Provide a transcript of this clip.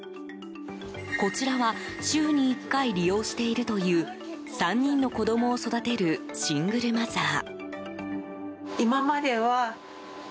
こちらは週に１回利用しているという３人の子供を育てるシングルマザー。